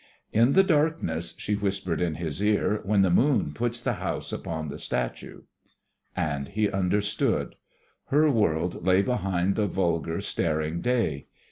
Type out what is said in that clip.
"In the darkness," she whispered in his ear; "when the moon puts the house upon the statue!" And he understood. Her world lay behind the vulgar, staring day.